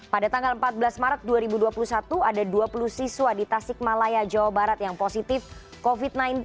pada tanggal empat belas maret dua ribu dua puluh satu ada dua puluh siswa di tasik malaya jawa barat yang positif covid sembilan belas